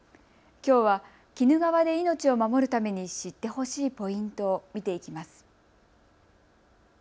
きょうは鬼怒川で命を守るために知ってほしいポイントを見ていきます。